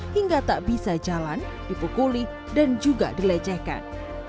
hingga tak bisa jalan dipukuli dan juga dilecehkan